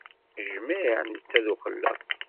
Jmiɛ netta d uxellaq.